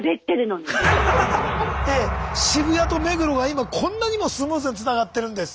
渋谷と目黒が今こんなにもスムーズにつながってるんです。